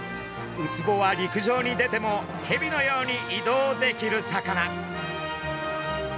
ウツボは陸上に出てもヘビのように移動できる魚。